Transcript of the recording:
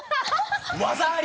技あり！